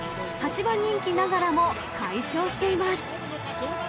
［８番人気ながらも快勝しています］